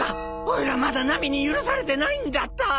おいらまだナミに許されてないんだった。